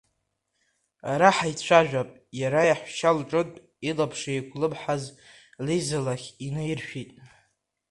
Ара ҳаицәажәап, иара иаҳәшьа лҿынтә илаԥш еиқәлымҳаз лиза лахь инаиршәит.